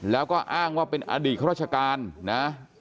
แล้วก็อ้างว่าเป็นอดีตข้าราชการนะ